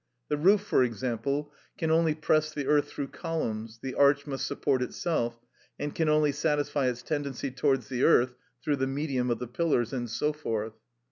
The roof, for example, can only press the earth through columns, the arch must support itself, and can only satisfy its tendency towards the earth through the medium of the pillars, and so forth.